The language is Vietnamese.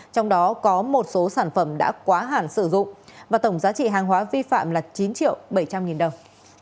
trong đó có một số sản phẩm đã quá hẳn sử dụng và tổng giá trị hàng hóa vi phạm là chín triệu bảy trăm linh nghìn đồng